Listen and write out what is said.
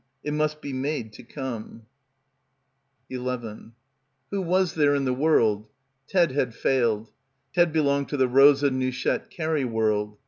It must be made to come. 184 BACKWATER 11 Who was there in the world? Ted had failed. Ted belonged to the Rosa Nouchette Carey world.